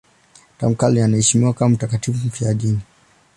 Tangu kale anaheshimiwa kama mtakatifu mfiadini.